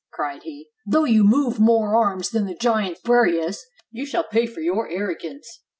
cried he, "though you m.ove more arms than the giant Briareus, you shall pay for your arro gance."